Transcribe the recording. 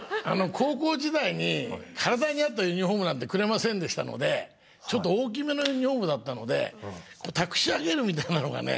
高校時代に体に合ったユニフォームなんてくれませんでしたのでちょっと大きめのユニフォームだったのでたくし上げるみたいなのがね